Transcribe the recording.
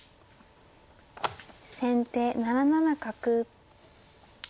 先手７七角。